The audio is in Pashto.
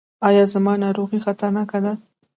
ایا زما ناروغي خطرناکه ده؟